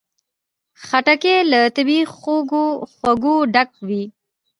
خټکی له طبیعي خوږو ډک وي.